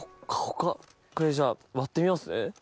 これじゃあ割ってみます？